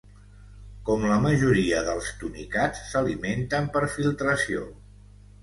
Com la majoria dels tunicats, s'alimenten per filtració.